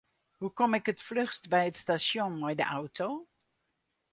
Hoe kom ik it fluchst by it stasjon mei de auto?